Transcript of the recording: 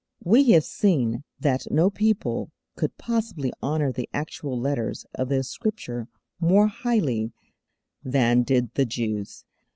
We have seen that no people could possibly honour the actual letters of the Scripture more highly than did the Jews.